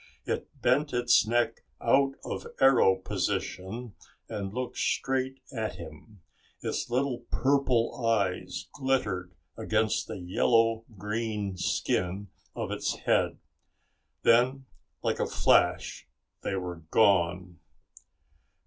It bent its neck out of arrow position and looked straight at him. Its little purple eyes glittered against the yellow green skin of its head. Then, like a flash, they were gone.